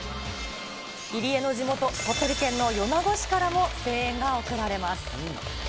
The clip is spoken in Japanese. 入江の地元、鳥取県の米子市からも声援が送られます。